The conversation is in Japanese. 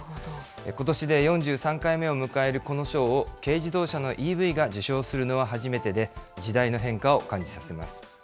ことしで４３回目を迎えるこの賞を、軽自動車のＥＶが受賞するのは初めてで、時代の変化を感じさせます。